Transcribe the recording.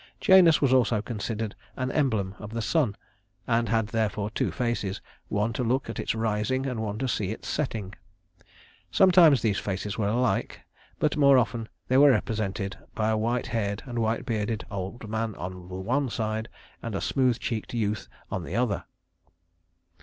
Janus was also considered an emblem of the sun, and had therefore two faces, one to look at its rising and one to see its setting. Sometimes these faces were alike, but more often they were represented by a white haired and white bearded old man on the one side, and a smooth cheeked youth on the other.